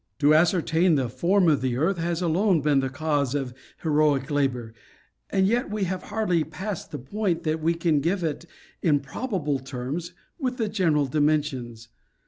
To ascertain the form of the earth has alone been the cause of heroic labor, and yet we have hardly passed the point that we can give it in probable terms with the general dimen sions.